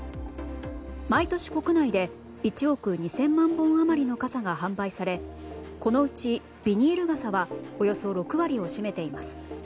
毎年国内で１億２０００万本余りの傘が販売されこのうちビニール傘はおよそ６割を占めています。